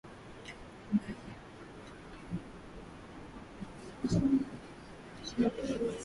unaweza pia ukatuma matanga maoni yako kwenda rfi kiswahili at gmail